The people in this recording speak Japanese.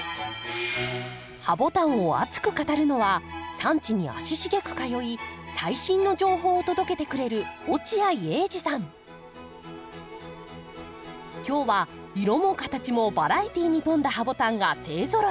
ハボタンを熱く語るのは産地に足しげく通い最新の情報を届けてくれる今日は色も形もバラエティーに富んだハボタンが勢ぞろい。